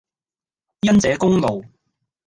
因這功勞，